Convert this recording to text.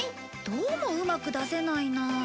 どうもうまく出せないなあ